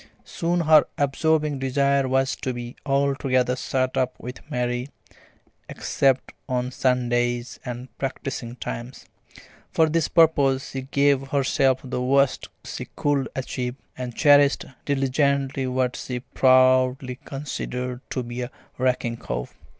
Soon her absorbing desire was to be altogether shut up with Mary, except on Sundays and at practising times. For this purpose she gave herself the worst cold she could achieve, and cherished diligently what she proudly considered to be a racking cough.